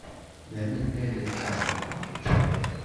D amellal lkaɣeḍ-a?